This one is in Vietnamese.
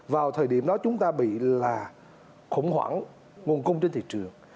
vào thời điểm đó chúng ta bị là khủng hoảng nguồn cung trên thị trường